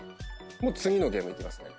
もう次のゲームいきますね。